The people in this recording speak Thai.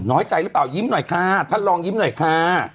น้อยใจหรือเปล่ายิ้มหน่อยค่ะท่านลองยิ้มหน่อยค่ะ